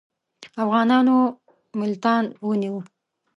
افغانانو ملتان ونیوی.